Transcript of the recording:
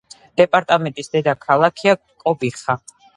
დეპარტამენტის დედაქალაქია კობიხა.